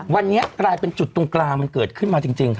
วันนี้กลายเป็นจุดตรงกลางมันเกิดขึ้นมาจริงค่ะ